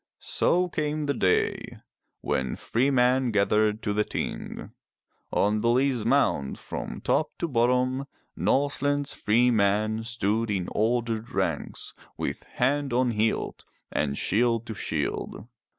So came the day when free men gathered to the Ting. On Bele's mound from top to bottom Norseland's free men stood in ordered ranks, with hand on hilt, and shield to shield.